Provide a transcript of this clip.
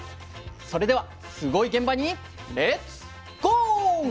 それではすごい現場にレッツ・ゴー！